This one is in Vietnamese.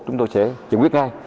chúng tôi sẽ giải quyết ngay